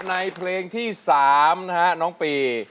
ในเพลงที่๓นะฮะน้องปี